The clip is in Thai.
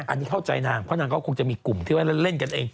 อันนี้เข้าใจนางเพราะนางก็คงจะมีกลุ่มที่ว่าเล่นกันเอง